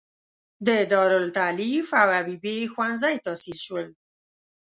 د دارالتالیف او حبیبې ښوونځی تاسیس شول.